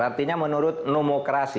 artinya menurut nomokrasi